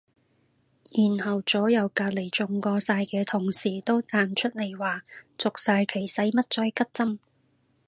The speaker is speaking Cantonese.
然後左右隔離中過晒嘅同事都彈出嚟話續晒期使乜再拮針